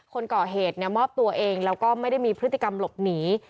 คนก่อเหตุมอบตัวเองแล้วก็ไม่ได้มีพฤติกรรมหลบหนี